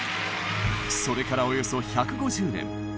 それからおよそ１５０年。